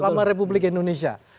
selama republik indonesia